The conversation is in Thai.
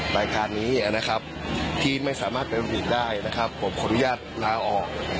รายการนี้นะครับที่ไม่สามารถไปทำผิดได้นะครับผมขออนุญาตลาออก